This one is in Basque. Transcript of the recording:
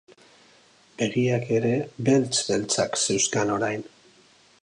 Begiak ere beltz-beltzak zeuzkan orain.